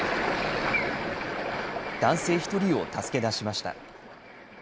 男性１人を助け出しました。